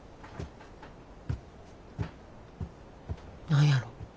何やろ。